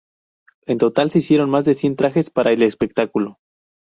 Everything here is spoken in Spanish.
En total se hicieron más de cien trajes para el espectáculo.